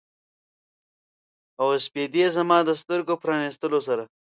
او سپیدې زما د سترګو د پرانیستلو سره